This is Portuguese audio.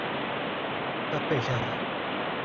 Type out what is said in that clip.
Tapejara